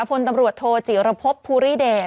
พลตำรวจโทจิรพบภูริเดช